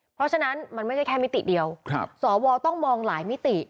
เพราะฉะนั้นมันไม่ใช่แค่มิติเดียวสวต้องมองหลายมิติ